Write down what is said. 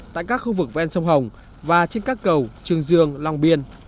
tại các khu vực ven sông hồng và trên các cầu trường dương long biên